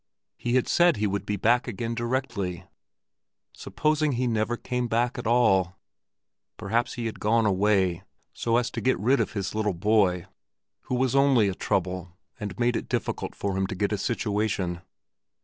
He had said he would be back again directly! Supposing he never came back at all! Perhaps he had gone away so as to get rid of his little boy, who was only a trouble and made it difficult for him to get a situation.